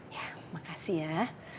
ya makasih ya